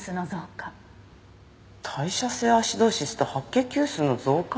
代謝性アシドーシスと白血球数の増加？